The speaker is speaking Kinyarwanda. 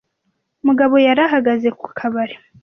Mugabo yari ahagaze ku kabari